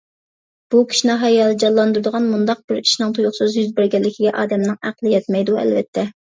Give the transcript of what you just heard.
بۇ كىشىنى ھاياجانلاندۇرىدىغان مۇنداق بىر ئىشنىڭ تۇيۇقسىز يۈز بەرگەنلىكىگە ئادەمنىڭ ئەقلى يەتمەيدۇ، ئەلۋەتتە.